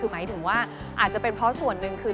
คือหมายถึงว่าอาจจะเป็นเพราะส่วนหนึ่งคือ